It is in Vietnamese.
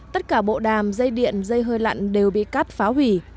tất cả bộ đàm dây điện dây hơi lặn đều bị cắt phá hủy